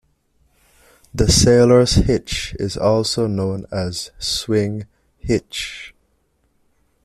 The sailor's hitch is also known as swing hitch.